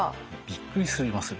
びっくりします。